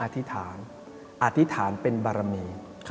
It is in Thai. อธิษฐานอธิษฐานเป็นบารมี